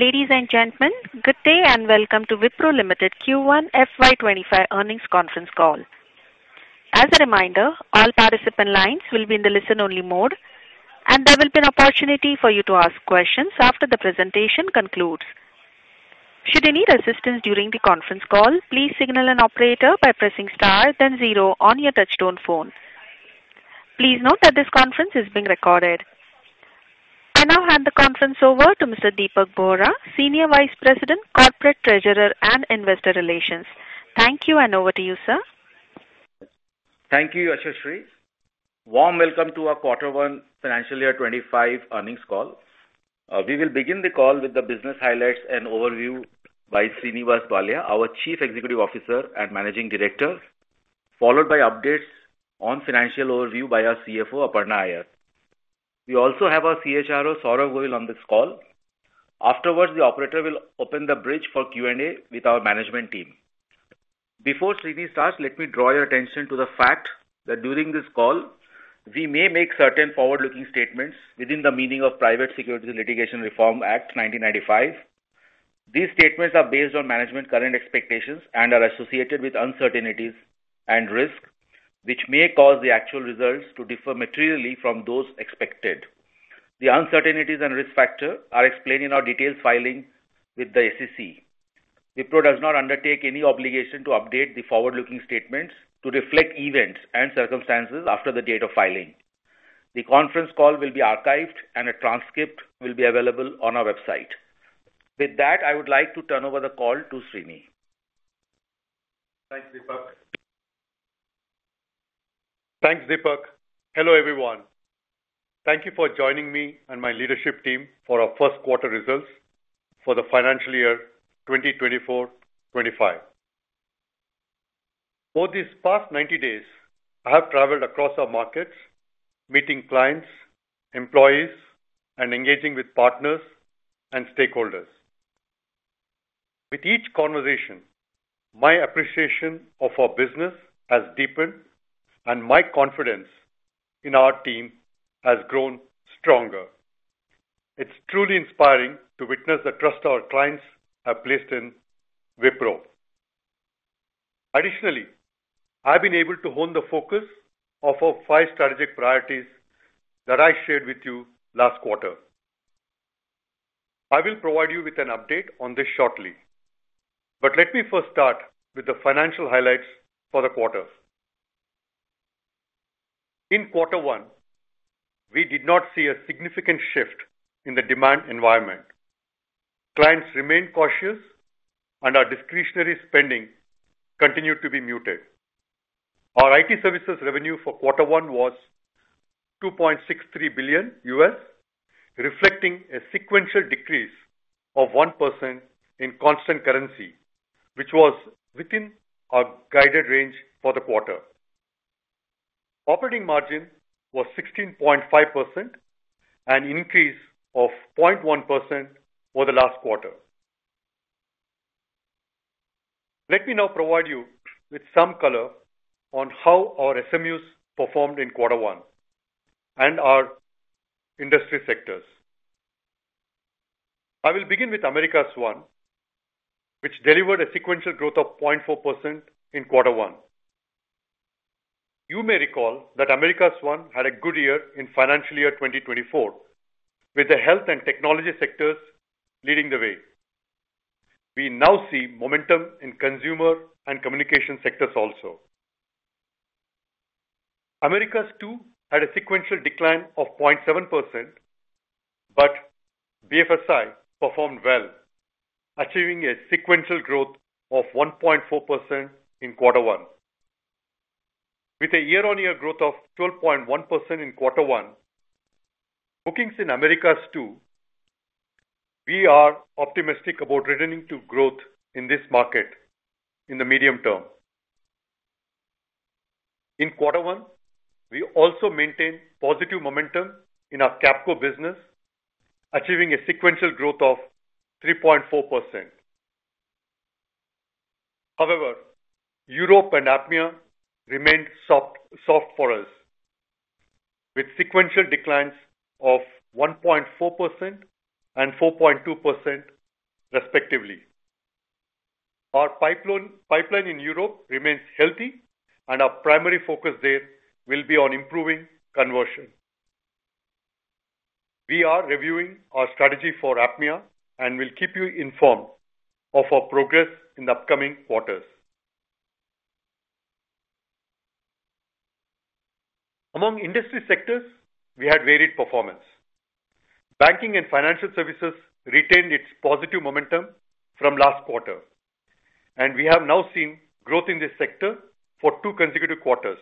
Ladies and gentlemen, good day, and welcome to Wipro Limited Q1 FY 2025 earnings conference call. As a reminder, all participant lines will be in the listen-only mode, and there will be an opportunity for you to ask questions after the presentation concludes. Should you need assistance during the conference call, please signal an operator by pressing star, then zero on your touchtone phone. Please note that this conference is being recorded. I now hand the conference over to Mr. Dipak Bohra, Senior Vice President, Corporate Treasurer, and Investor Relations. Thank you, and over to you, sir. Thank you, Yashaswi. Warm welcome to Quarter 1 financial Year 2025 earnings call. We will begin the call with the business highlights and overview by Srini Pallia, our Chief Executive Officer and Managing Director, followed by updates on financial overview by our CFO, Aparna Iyer. We also have our CHRO, Saurabh Govil, on this call. Afterwards, the operator will open the bridge for Q&A with our management team. Before Srini starts, let me draw your attention to the fact that during this call, we may make certain forward-looking statements within the meaning of Private Securities Litigation Reform Act 1995. These statements are based on management current expectations and are associated with uncertainties and risks, which may cause the actual results to differ materially from those expected. The uncertainties and risk factor are explained in our detailed filing with the SEC. Wipro does not undertake any obligation to update the forward-looking statements to reflect events and circumstances after the date of filing. The conference call will be archived, and a transcript will be available on our website. With that, I would like to turn over the call to Srini. Thanks, Dipak. Thanks, Dipak. Hello, everyone. Thank you for joining me and my leadership team for our first quarter results for the financial year 2024-2025. For these past 90 days, I have traveled across our markets, meeting clients, employees, and engaging with partners and stakeholders. With each conversation, my appreciation of our business has deepened, and my confidence in our team has grown stronger. It's truly inspiring to witness the trust our clients have placed in Wipro. Additionally, I've been able to hone the focus of our five strategic priorities that I shared with you last quarter. I will provide you with an update on this shortly, but let me first start with the financial highlights for the quarter. Quarter 1, we did not see a significant shift in the demand environment. Clients remained cautious, and our discretionary spending continued to be muted. Our IT services revenue Quarter 1 was $2.63 billion, reflecting a sequential decrease of 1% in constant currency, which was within our guided range for the quarter. Operating margin was 16.5%, an increase of 0.1% over the last quarter. Let me now provide you with some color on how our SMUs performed Quarter 1 and our industry sectors. I will begin with Americas 1, which delivered a sequential growth of 0.4% Quarter 1. you may recall that Americas 1 had a good year in financial year 2024, with the health and technology sectors leading the way. We now see momentum in consumer and communication sectors also. Americas 2 had a sequential decline of 0.7%, but BFSI performed well, achieving a sequential growth of 1.4% in Quarter 1. With a year-over-year growth of 12.1% Quarter 1, bookings in Americas 2, we are optimistic about returning to growth in this market in the medium term. Quarter 1, we also maintained positive momentum in our Capco business, achieving a sequential growth of 3.4%. However, Europe and APMEA remained soft for us, with sequential declines of 1.4% and 4.2%, respectively. Our pipeline in Europe remains healthy, and our primary focus there will be on improving conversion. We are reviewing our strategy for APMEA and will keep you informed of our progress in the upcoming quarters. Among industry sectors, we had varied performance. Banking and financial services retained its positive momentum from last quarter, and we have now seen growth in this sector for two consecutive quarters.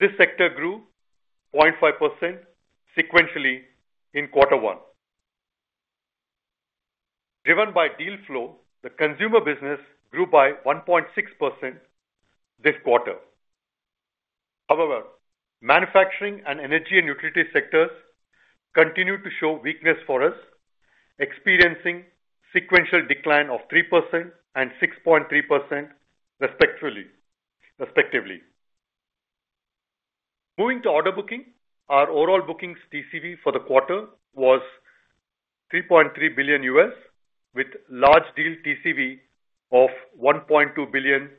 This sector grew 0.5% sequentially Quarter 1. driven by deal flow, the consumer business grew by 1.6% this quarter. However, manufacturing and energy and utility sectors continued to show weakness for us, experiencing sequential decline of 3% and 6.3%, respectively. Moving to order booking, our overall bookings TCV for the quarter was $3.3 billion, with large deal TCV of $1.2 billion.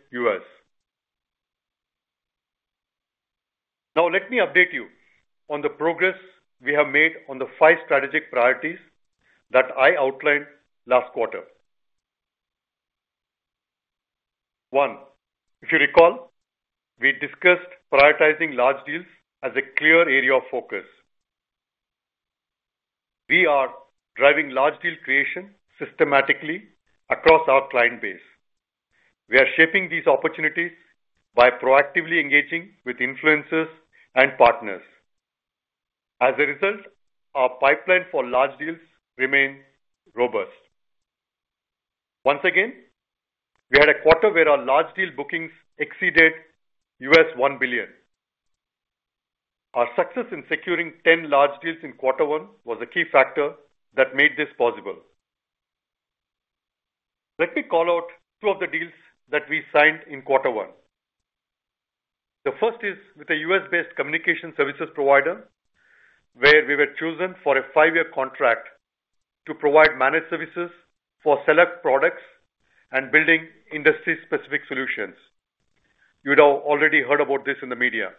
Now, let me update you on the progress we have made on the five strategic priorities that I outlined last quarter. One, if you recall, we discussed prioritizing large deals as a clear area of focus. We are driving large deal creation systematically across our client base. We are shaping these opportunities by proactively engaging with influencers and partners. As a result, our pipeline for large deals remain robust. Once again, we had a quarter where our large deal bookings exceeded $1 billion. Our success in securing 10 large deals Quarter 1 was a key factor that made this possible. Let me call out two of the deals that we signed Quarter 1. the first is with a U.S.-based communication services provider, where we were chosen for a five-year contract to provide managed services for select products and building industry-specific solutions. You'd have already heard about this in the media.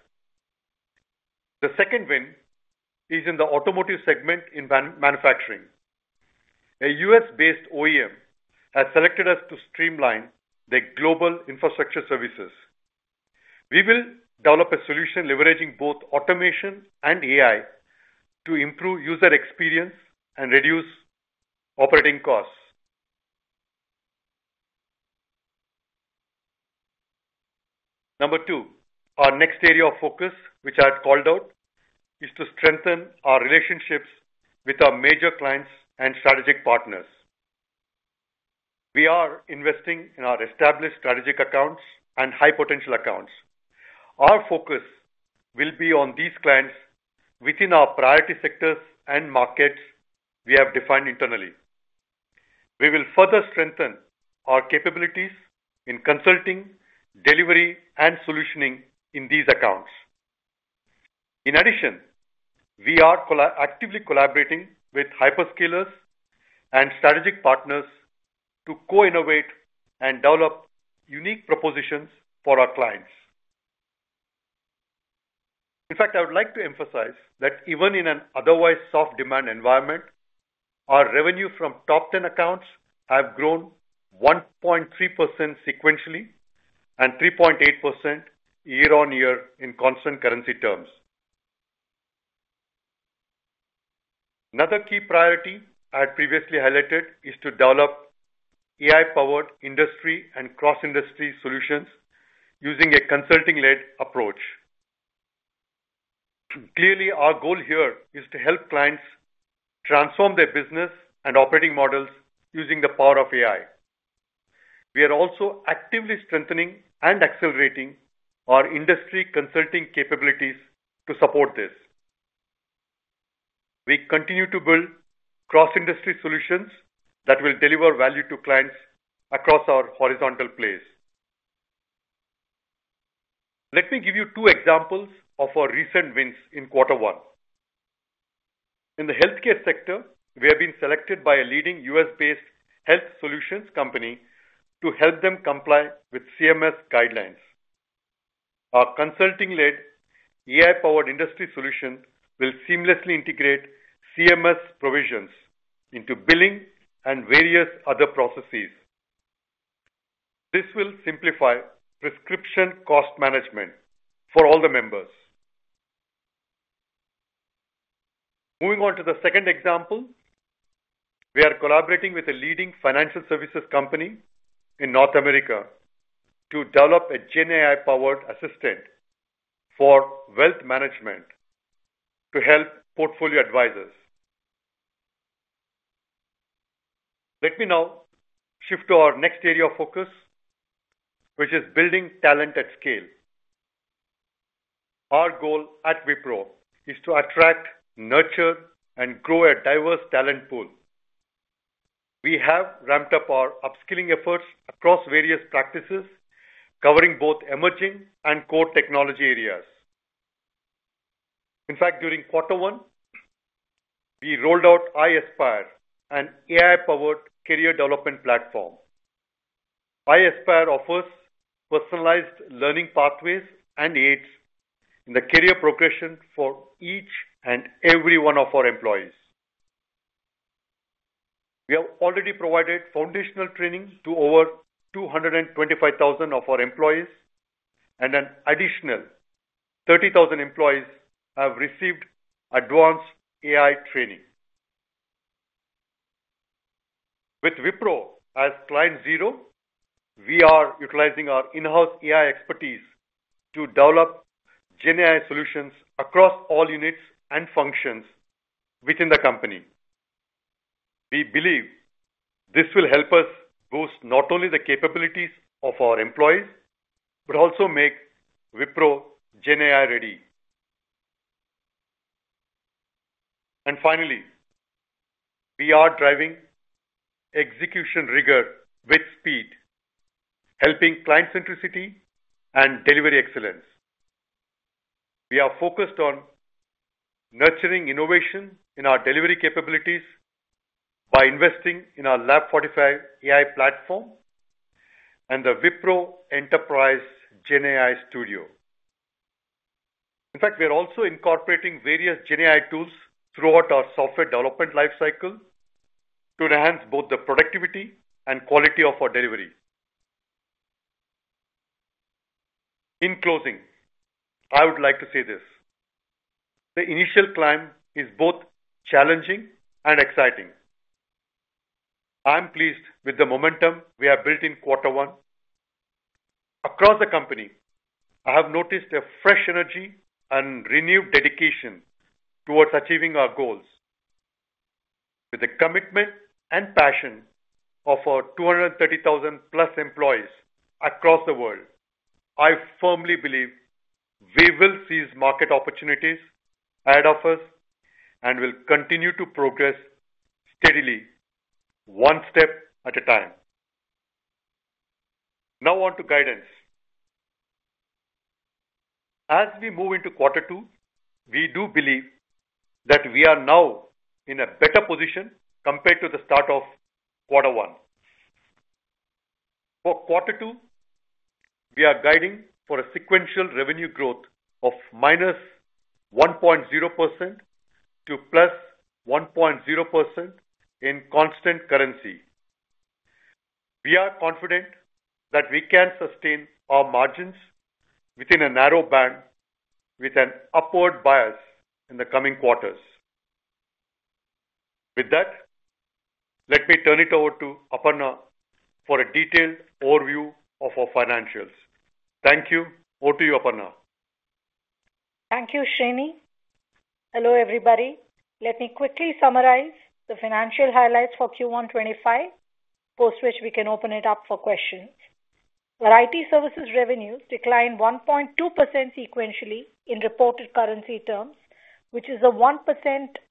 The second win is in the automotive segment in manufacturing. A U.S.-based OEM has selected us to streamline their global infrastructure services. We will develop a solution leveraging both automation and AI to improve user experience and reduce operating costs. Number two, our next area of focus, which I had called out, is to strengthen our relationships with our major clients and strategic partners. We are investing in our established strategic accounts and high-potential accounts. Our focus will be on these clients within our priority sectors and markets we have defined internally. We will further strengthen our capabilities in consulting, delivery, and solutioning in these accounts. In addition, we are actively collaborating with hyperscalers and strategic partners to co-innovate and develop unique propositions for our clients. In fact, I would like to emphasize that even in an otherwise soft demand environment, our revenue from top 10 accounts have grown 1.3% sequentially and 3.8% year-on-year in constant currency terms. Another key priority I had previously highlighted is to develop AI-powered industry and cross-industry solutions using a consulting-led approach. Clearly, our goal here is to help clients transform their business and operating models using the power of AI. We are also actively strengthening and accelerating our industry consulting capabilities to support this. We continue to build cross-industry solutions that will deliver value to clients across our horizontal place. Let me give you two examples of our recent wins Quarter 1. in the healthcare sector, we have been selected by a leading U.S.-based health solutions company to help them comply with CMS guidelines. Our consulting-led, AI-powered industry solution will seamlessly integrate CMS provisions into billing and various other processes. This will simplify prescription cost management for all the members. Moving on to the second example, we are collaborating with a leading financial services company in North America to develop a GenAI-powered assistant for wealth management to help portfolio advisors. Let me now shift to our next area of focus, which is building talent at scale. Our goal at Wipro is to attract, nurture, and grow a diverse talent pool. We have ramped up our upskilling efforts across various practices, covering both emerging and core technology areas. In fact, Quarter 1, we rolled out iAspire, an AI-powered career development platform. iAspire offers personalized learning pathways and aids in the career progression for each and every one of our employees. We have already provided foundational training to over 225,000 of our employees, and an additional 30,000 employees have received advanced AI training. With Wipro as client zero, we are utilizing our in-house AI expertise to develop GenAI solutions across all units and functions within the company. We believe this will help us boost not only the capabilities of our employees, but also make Wipro GenAI ready. And finally, we are driving execution rigor with speed, helping client centricity and delivery excellence. We are focused on nurturing innovation in our delivery capabilities by investing in our Lab45 AI Platform and the Wipro Enterprise GenAI Studio. In fact, we are also incorporating various GenAI tools throughout our software development life cycle to enhance both the productivity and quality of our delivery. In closing, I would like to say this: the initial climb is both challenging and exciting. I'm pleased with the momentum we have built Quarter 1. across the company, I have noticed a fresh energy and renewed dedication towards achieving our goals. With the commitment and passion of our 230,000+ employees across the world, I firmly believe we will seize market opportunities ahead of us and will continue to progress steadily, one step at a time. Now on to guidance. As we move into Quarter 2, we do believe that we are now in a better position compared to the start Quarter 1. for Quarter 2, we are guiding for a sequential revenue growth of -1.0% to +1.0% in constant currency. We are confident that we can sustain our margins within a narrow band with an upward bias in the coming quarters. With that, let me turn it over to Aparna for a detailed overview of our financials. Thank you. Over to you, Aparna. Thank you, Srini. Hello, everybody. Let me quickly summarize the financial highlights for Q1 2025, after which we can open it up for questions. Our IT services revenues declined 1.2% sequentially in reported currency terms, which is a 1%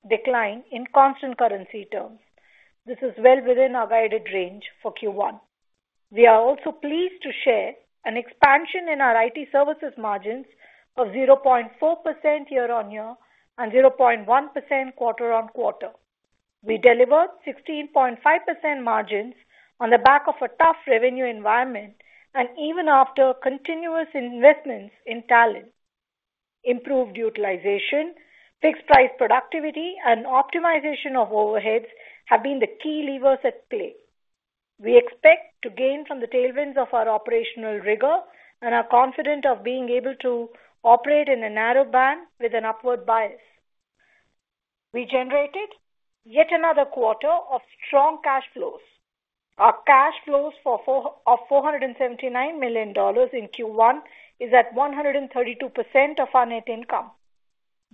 decline in constant currency terms. This is well within our guided range for Q1. We are also pleased to share an expansion in our IT services margins of 0.4% year-on-year and 0.1% quarter-on-quarter. We delivered 16.5% margins on the back of a tough revenue environment and even after continuous investments in talent. Improved utilization, fixed price productivity and optimization of overheads have been the key levers at play. We expect to gain from the tailwinds of our operational rigor and are confident of being able to operate in a narrow band with an upward bias. We generated yet another quarter of strong cash flows. Our cash flows for Q1 of $479 million is at 132% of our net income.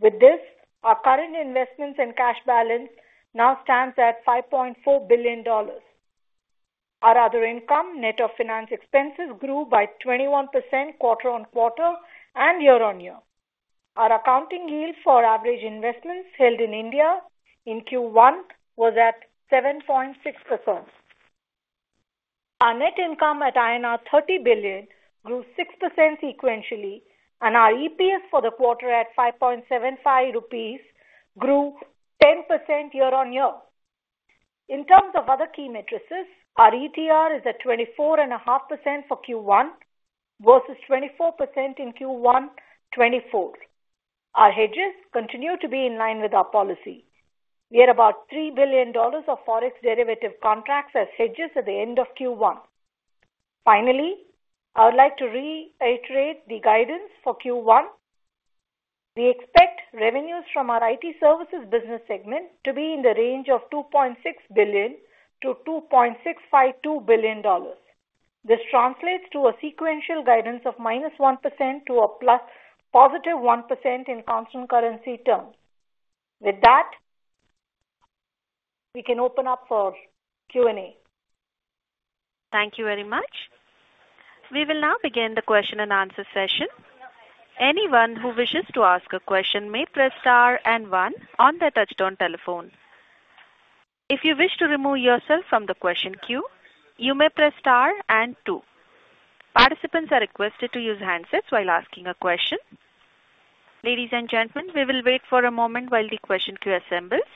With this, our current investments and cash balance now stands at $5.4 billion. Our other income, net of finance expenses, grew by 21% quarter-on-quarter and year-on-year. Our accounting yield for average investments held in India in Q1 was at 7.6%. Our net income at INR 30 billion grew 6% sequentially, and our EPS for the quarter, at 5.75 rupees, grew 10% year-on-year. In terms of other key metrics, our ETR is at 24.5% for Q1 versus 24% in Q1 2024. Our hedges continue to be in line with our policy. We had about $3 billion of Forex derivative contracts as hedges at the end of Q1. Finally, I would like to reiterate the guidance for Q1. We expect revenues from our IT services business segment to be in the range of $2.6 billion-$2.652 billion. This translates to a sequential guidance of -1% to +1% in constant currency terms. With that, we can open up for Q&A. Thank you very much. We will now begin the question-and-answer session. Anyone who wishes to ask a question may press star and one on their touchtone telephone. If you wish to remove yourself from the question queue, you may press star and two. Participants are requested to use handsets while asking a question. Ladies and gentlemen, we will wait for a moment while the question queue assembles.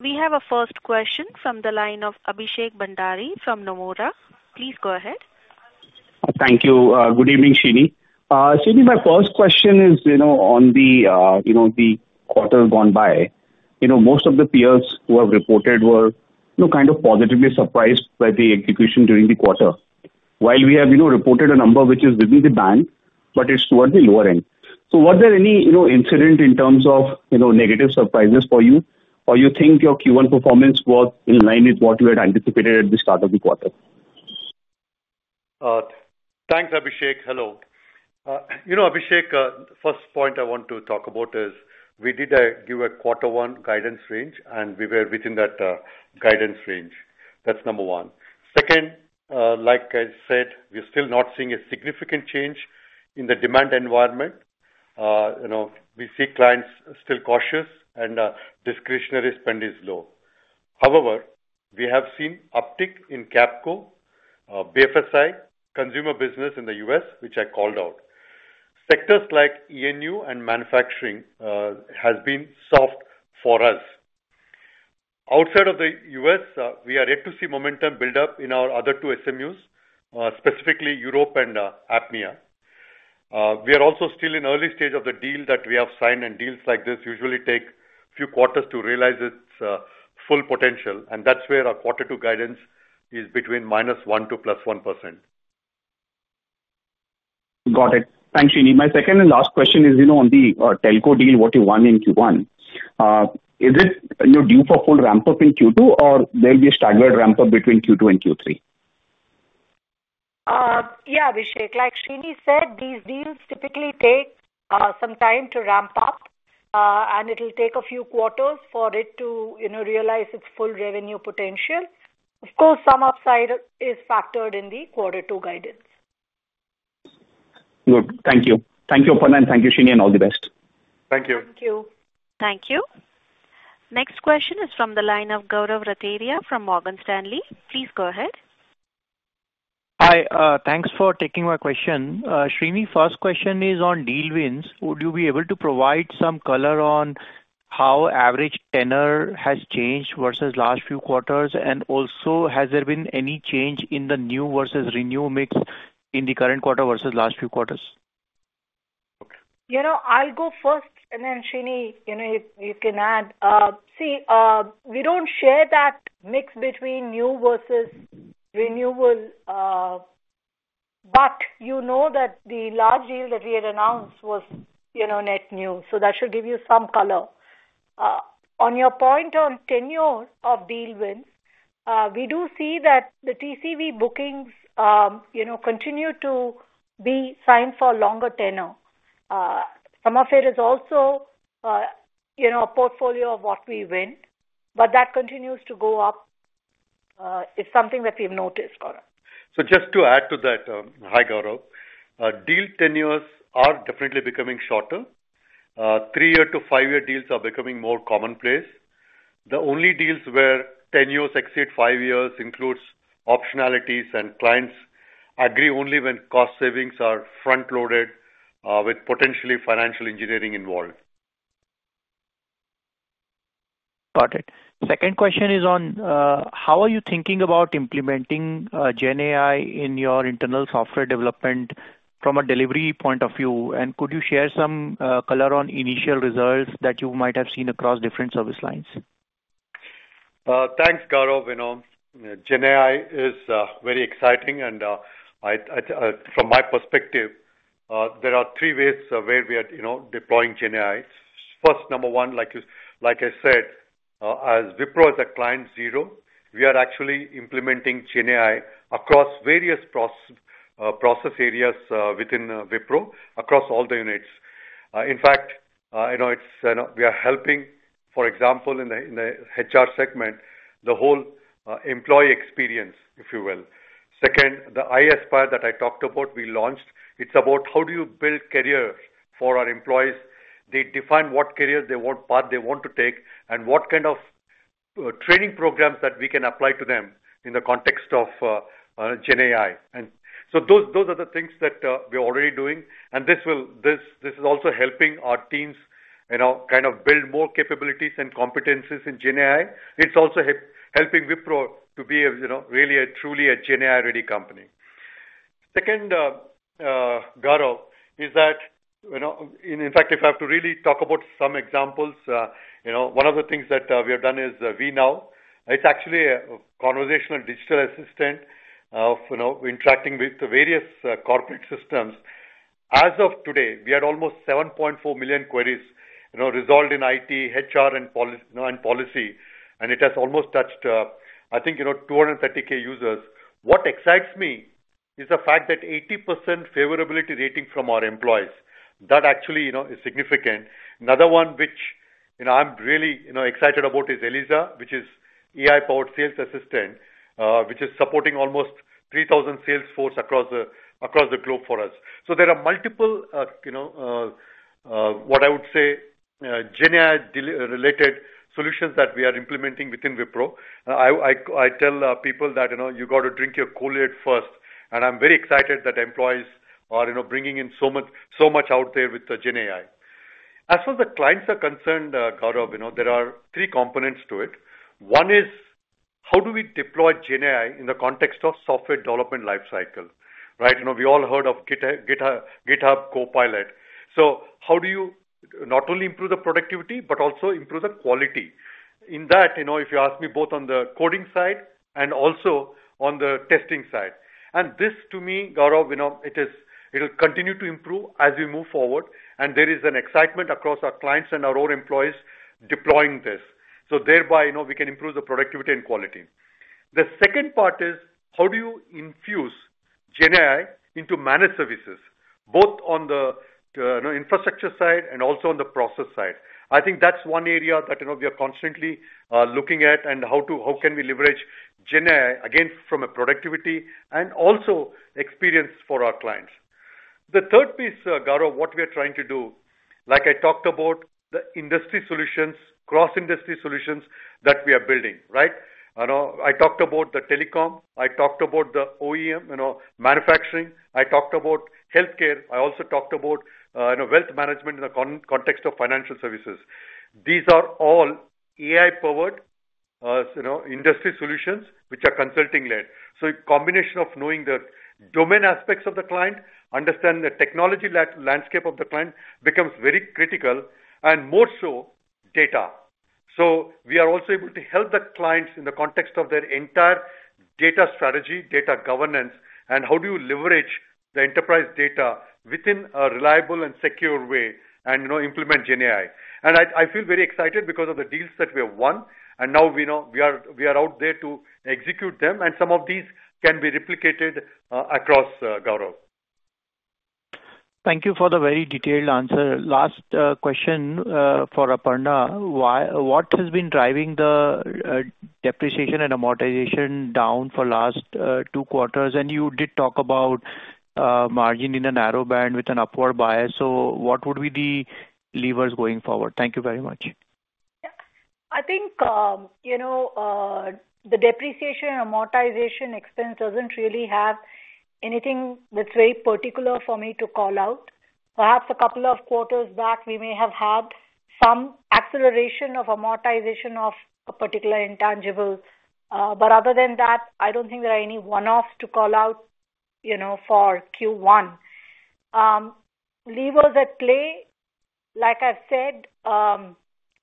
We have a first question from the line of Abhishek Bhandari from Nomura. Please go ahead. Thank you. Good evening, Srini. Srini, my first question is, you know, on the, you know, the quarter gone by. You know, most of the peers who have reported were, you know, kind of positively surprised by the execution during the quarter. While we have, you know, reported a number which is within the band, but it's towards the lower end. So were there any, you know, incident in terms of, you know, negative surprises for you? Or you think your Q1 performance was in line with what you had anticipated at the start of the quarter? Thanks, Abhishek. Hello. You know, Abhishek, first point I want to talk about is we did give Quarter 1 guidance range, and we were within that guidance range. That's number one. Second, like I said, we're still not seeing a significant change in the demand environment. You know, we see clients still cautious, and discretionary spend is low. However, we have seen uptick in Capco, BFSI, consumer business in the U.S., which I called out. Sectors like ENU and manufacturing has been soft for us. Outside of the U.S., we are yet to see momentum build up in our other two SMUs, specifically Europe and APMEA. We are also still in early stage of the deal that we have signed, and deals like this usually take a few quarters to realize its full potential, and that's where our Quarter 2 guidance is between -1% to +1%. Got it. Thanks, Srini. My second and last question is, you know, on the telco deal what you won in Q1. Is it, you know, due for full ramp-up in Q2, or there'll be a staggered ramp-up between Q2 and Q3? Yeah, Abhishek, like Srini said, these deals typically take some time to ramp up, and it'll take a few quarters for it to, you know, realize its full revenue potential. Of course, some upside is factored in the Quarter 2 guidance. Good. Thank you. Thank you, Aparna, and thank you, Srini, and all the best. Thank you. Thank you. Thank you. Next question is from the line of Gaurav Rateria from Morgan Stanley. Please go ahead. Hi, thanks for taking my question. Srini, first question is on deal wins. Would you be able to provide some color on how average tenure has changed versus last few quarters? And also, has there been any change in the new versus renew mix in the current quarter versus last few quarters? You know, I'll go first, and then Srini, you know, you can add. See, we don't share that mix between new versus renewal, but you know that the large deal that we had announced was, you know, net new, so that should give you some color. On your point on tenure of deal wins, we do see that the TCV bookings, you know, continue to be signed for longer tenure. Some of it is also, you know, a portfolio of what we win, but that continues to go up. It's something that we've noticed, Gaurav. Just to add to that, hi, Gaurav. Deal tenures are definitely becoming shorter. Three year to five year deals are becoming more commonplace. The only deals where tenures exceed five years includes optionalities, and clients agree only when cost savings are front-loaded, with potentially financial engineering involved. Got it. Second question is on how are you thinking about implementing GenAI in your internal software development from a delivery point of view? And could you share some color on initial results that you might have seen across different service lines? Thanks, Gaurav. You know, GenAI is very exciting, and from my perspective, there are three ways where we are, you know, deploying GenAI. First, number one, like I said, as Wipro is a client zero, we are actually implementing GenAI across various process areas within Wipro, across all the units. In fact, you know, we are helping, for example, in the HR ``the whole employee experience, if you will. Second, the iAspire that I talked about, we launched. It's about how do you build career for our employees. They define what career they want, path they want to take, and what kind of training programs that we can apply to them in the context of GenAI. Those are the things that we're already doing, and this will- this is also helping our teams, you know, kind of build more capabilities and competencies in GenAI. It's also helping Wipro to be a, you know, really a truly a GenAI-ready company. Second, Gaurav, is that, you know, in fact, if I have to really talk about some examples, you know, one of the things that we have done is WiNow. It's actually a conversational digital assistant of, you know, interacting with the various corporate systems. As of today, we had almost 7.4 million queries, you know, resolved in IT, HR, and policy, and it has almost touched, I think, you know, 230K users. What excites me is the fact that 80% favorability rating from our employees. That actually, you know, is significant. Another one which, you know, I'm really, you know, excited about is Eliza, which is AI-powered sales assistant, which is supporting almost 3,000 sales force across the globe for us. So there are multiple, you know, what I would say, GenAI related solutions that we are implementing within Wipro. I tell people that, you know, you got to drink your Kool-Aid first, and I'm very excited that employees are, you know, bringing in so much, so much out there with the GenAI. As far as the clients are concerned, Gaurav, you know, there are three components to it. One is: How do we deploy GenAI in the context of software development life cycle, right? You know, we all heard of GitHub Copilot. So how do you not only improve the productivity but also improve the quality? In that, you know, if you ask me, both on the coding side and also on the testing side. And this to me, Gaurav, you know, it is, it'll continue to improve as we move forward, and there is an excitement across our clients and our own employees deploying this. So thereby, you know, we can improve the productivity and quality. The second part is: How do you infuse GenAI into managed services, both on the, you know, infrastructure side and also on the process side? I think that's one area that, you know, we are constantly looking at, and how can we leverage GenAI, again, from a productivity and also experience for our clients. The third piece, Gaurav, what we are trying to do, like I talked about the industry solutions, cross-industry solutions that we are building, right? You know, I talked about the telecom, I talked about the OEM, you know, manufacturing. I talked about healthcare. I also talked about, you know, wealth management in the context of financial services. These are all AI-powered, you know, industry solutions, which are consulting-led. So a combination of knowing the domain aspects of the client, understanding the technology landscape of the client, becomes very critical, and more so, data. So we are also able to help the clients in the context of their entire data strategy, data governance, and how do you leverage the enterprise data within a reliable and secure way and, you know, implement GenAI. I feel very excited because of the deals that we have won, and now we know, we are, we are out there to execute them, and some of these can be replicated across Gaurav. Thank you for the very detailed answer. Last question for Aparna: What has been driving the depreciation and amortization down for last two quarters? And you did talk about margin in a narrow band with an upward bias. So what would be the levers going forward? Thank you very much. I think, you know, the depreciation and amortization expense doesn't really have anything that's very particular for me to call out. Perhaps a couple of quarters back, we may have had some acceleration of amortization of a particular intangible. But other than that, I don't think there are any one-offs to call out, you know, for Q1. Levers at play, like I've said,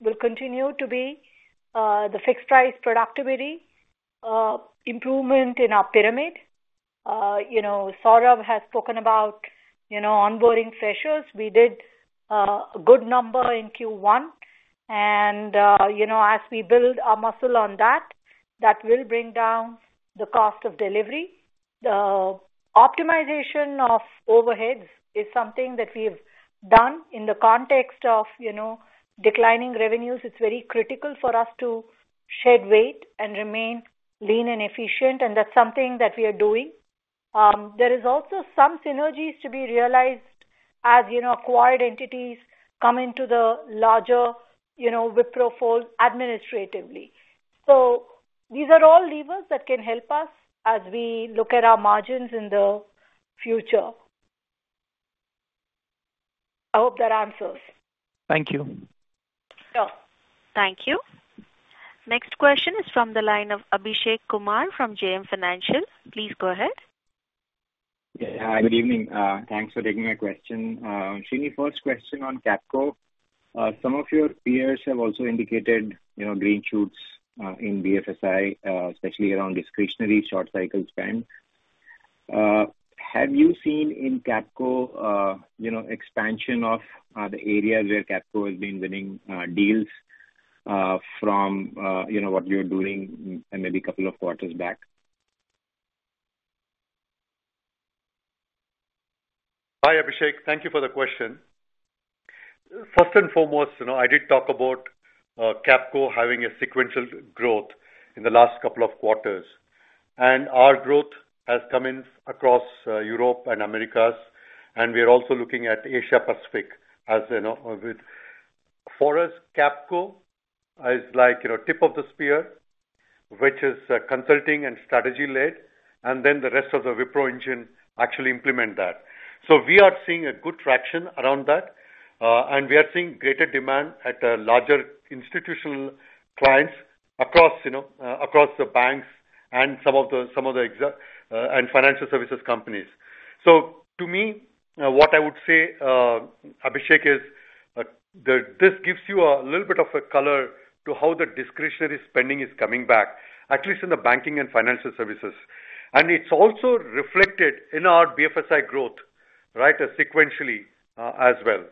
will continue to be the fixed price productivity, improvement in our pyramid. You know, Saurabh has spoken about, you know, onboarding freshers. We did a good number in Q1, and, you know, as we build our muscle on that, that will bring down the cost of delivery. The optimization of overheads is something that we've done in the context of, you know, declining revenues. It's very critical for us to shed weight and remain lean and efficient, and that's something that we are doing. There is also some synergies to be realized as, you know, acquired entities come into the larger, you know, Wipro fold administratively. So these are all levers that can help us as we look at our margins in the future. I hope that answers. Thank you. Sure. Thank you. Next question is from the line of Abhishek Kumar from JM Financial. Please go ahead. Yeah, good evening. Thanks for taking my question. Srini, first question on Capco. Some of your peers have also indicated, you know, green shoots in BFSI, especially around discretionary short cycle spend. Have you seen in Capco, you know, expansion of the areas where Capco has been winning deals from what you were doing and maybe a couple of quarters back? Hi, Abhishek. Thank you for the question. First and foremost, you know, I did talk about Capco having a sequential growth in the last couple of quarters. And our growth has come in across Europe and Americas, and we are also looking at Asia Pacific, as you know, with- for us, Capco is like, you know, tip of the spear, which is consulting and strategy-led, and then the rest of the Wipro engine actually implement that. So we are seeing a good traction around that, and we are seeing greater demand at larger institutional clients across, you know, across the banks and some of the exa- and financial services companies. So to me, what I would say, Abhishek, is this gives you a little bit of a color to how the discretionary spending is coming back, at least in the banking and financial services. And it's also reflected in our BFSI growth, right, sequentially, as well.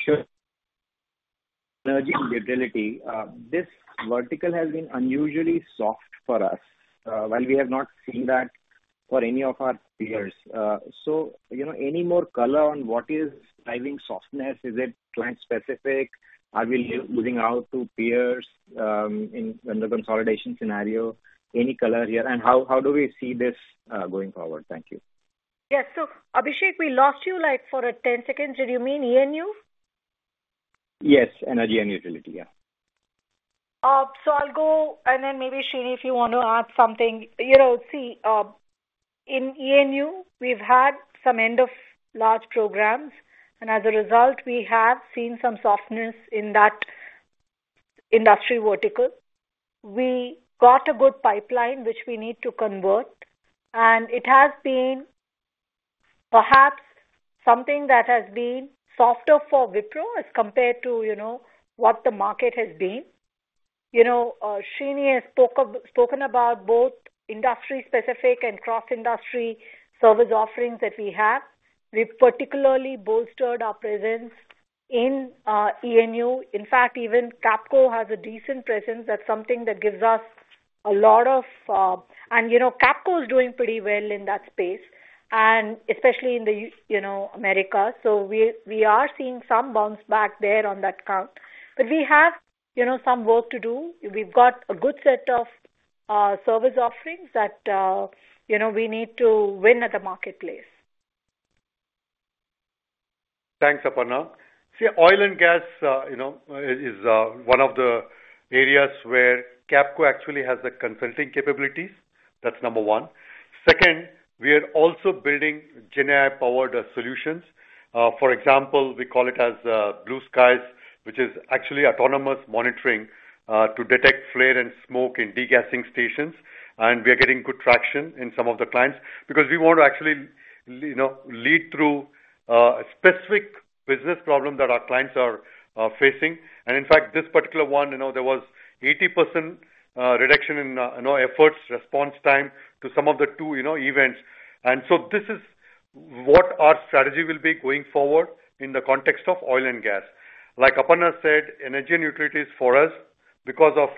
Sure. Energy and Utilities, this vertical has been unusually soft for us, while we have not seen that for any of our peers. So, you know, any more color on what is driving softness? Is it client-specific? Are we losing out to peers in the consolidation scenario? Any color here, and how do we see this going forward? Thank you. Yes. So Abhishek, we lost you, like, for 10 seconds. Did you mean E&U? Yes, energy and utility, yeah. So I'll go and then maybe, Srini, if you want to add something. You know, see, `in E&U, we've had some end of large programs, and as a result, we have seen some softness in that industry vertical. We got a good pipeline, which we need to convert, and it has been perhaps something that has been softer for Wipro as compared to, you know, what the market has been. You know, Srini has spoken about both industry-specific and cross-industry service offerings that we have. We've particularly bolstered our presence in E&U. In fact, even Capco has a decent presence. That's something that gives us a lot of, and, you know, Capco is doing pretty well in that space, and especially in the you know, America. So we are seeing some bounce back there on that count. But we have, you know, some work to do. We've got a good set of service offerings that, you know, we need to win at the marketplace. Thanks, Aparna. See, oil and gas, you know, is one of the areas where Capco actually has the consulting capabilities. That's number one. Second, we are also building gen AI-powered solutions. For example, we call it as Blue Skies, which is actually autonomous monitoring to detect flare and smoke in degassing stations, and we are getting good traction in some of the clients. Because we want to actually, you know, lead through specific business problems that our clients are facing. And in fact, this particular one, you know, there was 80% reduction in, you know, efforts, response time to some of the two, you know, events. And so this is what our strategy will be going forward in the context of oil and gas. Like Aparna said, energy and utility for us, because of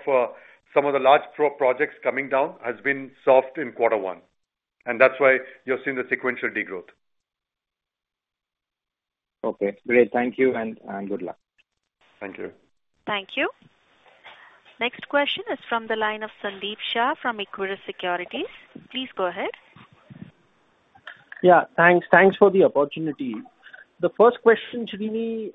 some of the large projects coming down, has been soft Quarter 1, and that's why you're seeing the sequential degrowth. Okay, great. Thank you, and, and good luck. Thank you. Thank you. Next question is from the line of Sandeep Shah from Equirus Securities. Please go ahead. Yeah, thanks. Thanks for the opportunity. The first question, Srini,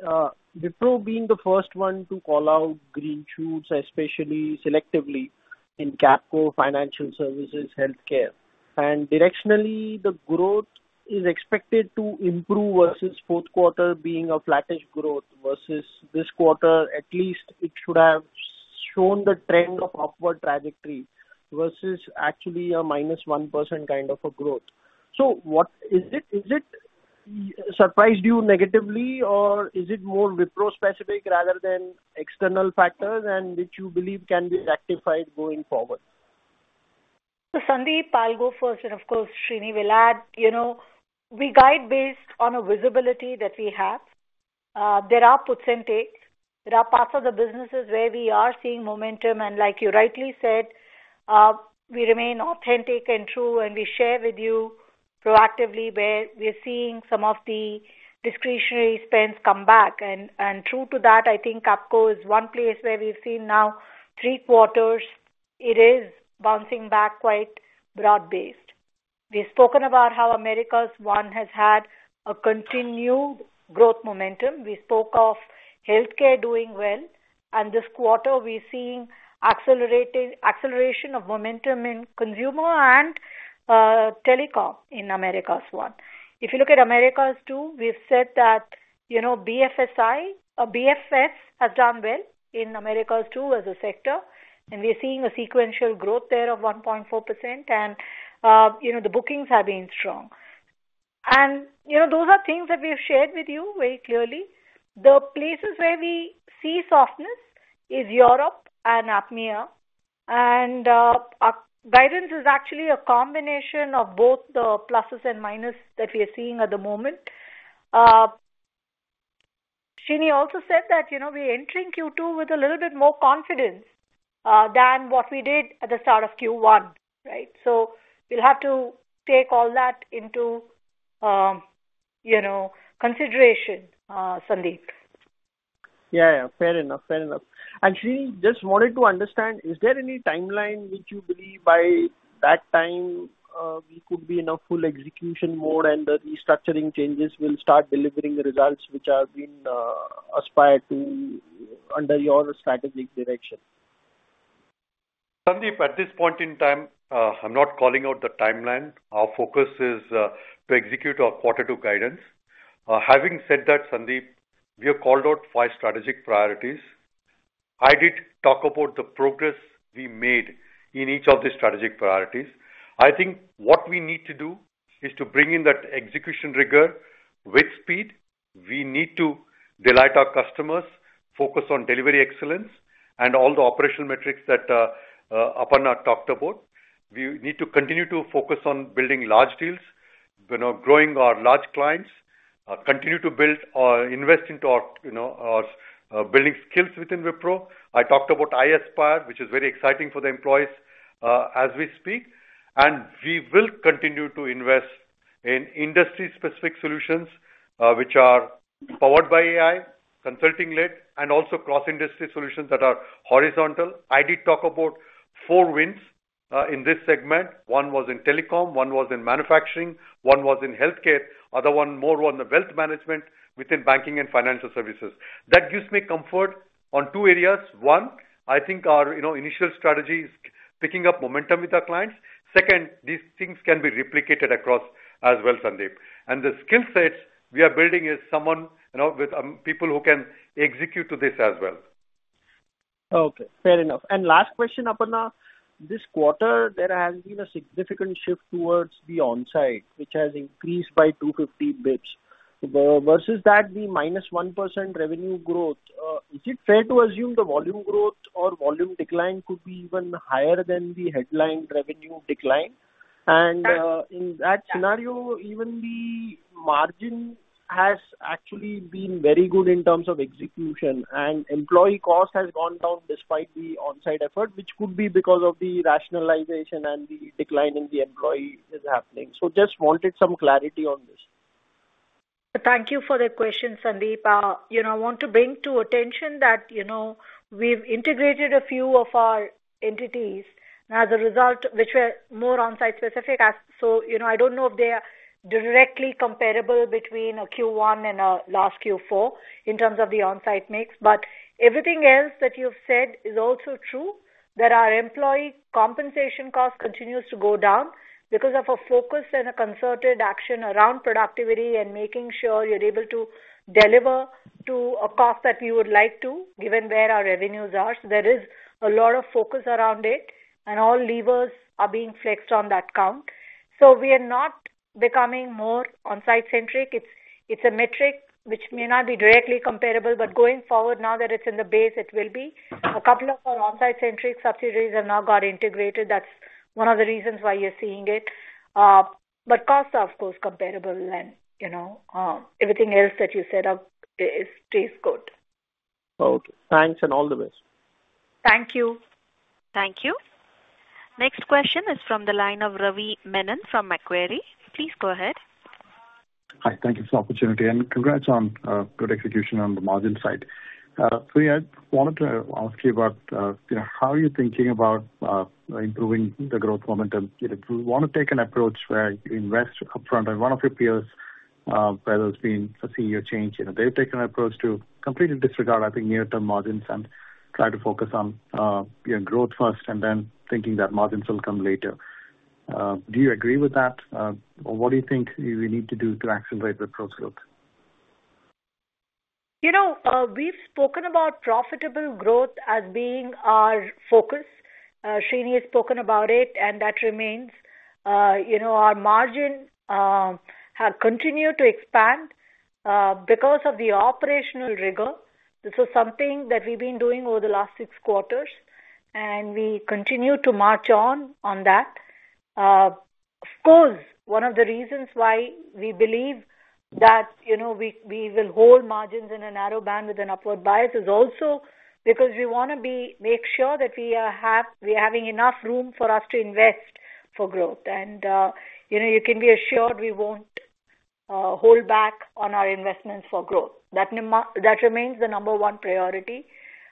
Wipro being the first one to call out green shoots, especially selectively in Capco, financial services, healthcare, and directionally, the growth is expected to improve versus fourth quarter being a flattish growth versus this quarter, at least it should have shown the trend of upward trajectory versus actually a -1% kind of a growth. So is it surprised you negatively, or is it more Wipro-specific rather than external factors and which you believe can be rectified going forward? So, Sandeep, I'll go first, and of course, Srini will add. You know, we guide based on a visibility that we have. There are puts and takes. There are parts of the businesses where we are seeing momentum, and like you rightly said, we remain authentic and true, and we share with you proactively where we are seeing some of the discretionary spends come back. And true to that, I think Capco is one place where we've seen now three quarters; it is bouncing back quite broad-based. We've spoken about how Americas 1 has had a continued growth momentum. We spoke of healthcare doing well, and this quarter we're seeing acceleration of momentum in consumer and telecom in Americas 1. If you look at Americas 2, we've said that, you know, BFSI or BFS has done well in Americas 2 as a sector, and we are seeing a sequential growth there of 1.4%, and, you know, the bookings have been strong. You know, those are things that we've shared with you very clearly. The places where we see softness is Europe and APMEA, and, our guidance is actually a combination of both the pluses and minus that we are seeing at the moment. Srini also said that, you know, we're entering Q2 with a little bit more confidence, than what we did at the start of Q1, right? So we'll have to take all that into, you know, consideration, Sandeep. Yeah, fair enough. Fair enough. And Srini, just wanted to understand, is there any timeline which you believe by that time, we could be in a full execution mode and the restructuring changes will start delivering the results which have been, aspired to under your strategic direction? Sandeep, at this point in time, I'm not calling out the timeline. Our focus is to execute our Quarter 2 guidance. Having said that, Sandeep, we have called out five strategic priorities. I did talk about the progress we made in each of the strategic priorities. I think what we need to do is to bring in that execution rigor with speed. We need to delight our customers, focus on delivery excellence and all the operational metrics that Aparna talked about. We need to continue to focus on building large deals, you know, growing our large clients, continue to build or invest into our, you know, our building skills within Wipro. I talked about iAspire, which is very exciting for the employees, as we speak. We will continue to invest in industry-specific solutions, which are powered by AI, consulting-led, and also cross-industry solutions that are horizontal. I did talk about four wins in this segment. One was in telecom, one was in manufacturing, one was in healthcare, other one more on the wealth management within banking and financial services. That gives me comfort on two areas. One, I think our, you know, initial strategy is picking up momentum with our clients. Second, these things can be replicated across as well, Sandeep. The skill sets we are building is someone, you know, with people who can execute to this as well. Okay, fair enough. And last question, Aparna. This quarter, there has been a significant shift towards the onsite, which has increased by 250 basis points, versus that the -1% revenue growth, is it fair to assume the volume growth or volume decline could be even higher than the headline revenue decline? And, in that scenario, even the margin has actually been very good in terms of execution, and employee cost has gone down despite the on-site effort, which could be because of the rationalization and the decline in the employee is happening. So just wanted some clarity on this. Thank you for the question, Sandeep. You know, I want to bring to attention that, you know, we've integrated a few of our entities. As a result, which were more on-site specific. And so, you know, I don't know if they are directly comparable between a Q1 and a last Q4 in terms of the on-site mix. But everything else that you've said is also true, that our employee compensation cost continues to go down because of a focus and a concerted action around productivity and making sure you're able to deliver to a cost that we would like to, given where our revenues are. So there is a lot of focus around it, and all levers are being flexed on that count. So we are not becoming more on-site centric. It's a metric which may not be directly comparable, but going forward, now that it's in the base, it will be. A couple of our on-site centric subsidiaries have now got integrated. That's one of the reasons why you're seeing it. But costs are, of course, comparable and, you know, everything else that you said are, is, stays good. Okay. Thanks and all the best. Thank you. Thank you. Next question is from the line of Ravi Menon from Macquarie. Please go ahead. Hi. Thank you for the opportunity, and congrats on good execution on the margin side. So I wanted to ask you about, you know, how are you thinking about improving the growth momentum? If you want to take an approach where you invest upfront, and one of your peers, where there's been a senior change, you know, they've taken an approach to completely disregard, I think, near-term margins and try to focus on, you know, growth first and then thinking that margins will come later. Do you agree with that? Or what do you think we need to do to accelerate the growth? You know, we've spoken about profitable growth as being our focus. Srini has spoken about it, and that remains. You know, our margin have continued to expand because of the operational rigor. This is something that we've been doing over the last six quarters, and we continue to march on that. Of course, one of the reasons why we believe that, you know, we will hold margins in a narrow band with an upward bias is also because we wanna make sure that we are have, we're having enough room for us to invest for growth. And, you know, you can be assured we won't hold back on our investments for growth. That remains the number one priority.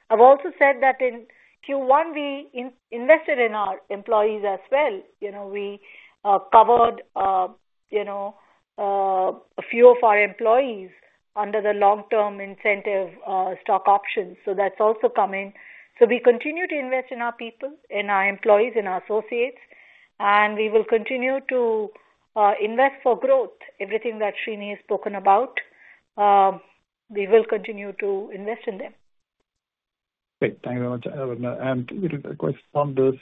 I've also said that in Q1, we invested in our employees as well. You know, we covered, you know, a few of our employees under the long-term incentive, stock options, so that's also coming. So we continue to invest in our people, in our employees, in our associates, and we will continue to invest for growth. Everything that Srini has spoken about, we will continue to invest in them. Great. Thank you very much, Aparna. And a little question on this,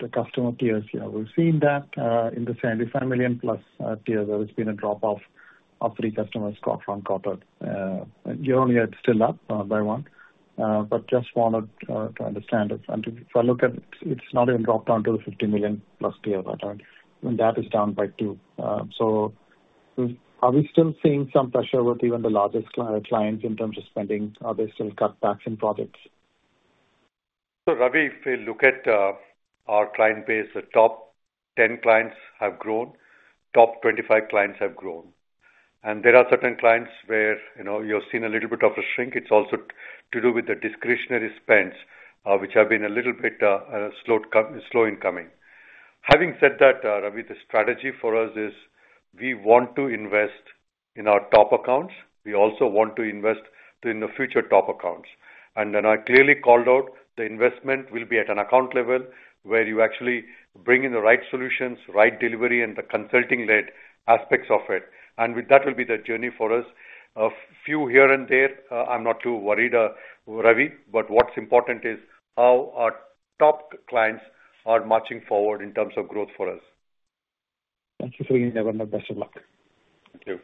the customer tiers. Yeah, we've seen that, in the $75 million+ tier, there has been a drop-off of three customers quarter-on-quarter. Year-on-year, it's still up, by one, but just wanted to understand it. And if I look at it, it's not even dropped down to the $50 million+ tier, but, and that is down by two. So are we still seeing some pressure with even the largest clients in terms of spending? Are they still cut back in products? So, Ravi, if we look at our client base, the top 10 clients have grown, top 25 clients have grown. And there are certain clients where, you know, you've seen a little bit of a shrink. It's also to do with the discretionary spends, which have been a little bit slow in coming. Having said that, Ravi, the strategy for us is we want to invest in our top accounts. We also want to invest in the future top accounts. And then I clearly called out the investment will be at an account level, where you actually bring in the right solutions, right delivery, and the consulting-led aspects of it. And with that will be the journey for us. A few here and there, I'm not too worried, Ravi, but what's important is how our top clients are marching forward in terms of growth for us. Thank you for your time, best of luck. Thank you.